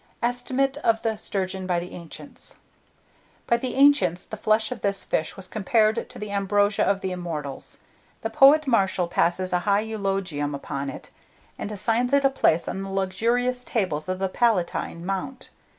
ESTIMATE OF THE STURGEON BY THE ANCIENTS. By the ancients, the flesh of this fish was compared to the ambrosia of the immortals. The poet Martial passes a high eulogium upon it, and assigns it a place on the luxurious tables of the Palatine Mount.